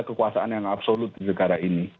kekuasaan yang absolut di negara ini